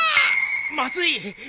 まずい！